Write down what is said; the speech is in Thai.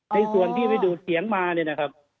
ในส่วนที่ไปดูดเสียงมาเนี่ยนะครับ